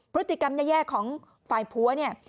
พฤติกรรมแย่ของฝ่ายผัวเนี่ย